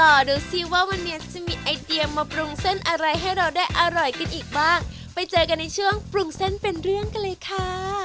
ดูสิว่าวันนี้จะมีไอเดียมาปรุงเส้นอะไรให้เราได้อร่อยกันอีกบ้างไปเจอกันในช่วงปรุงเส้นเป็นเรื่องกันเลยค่ะ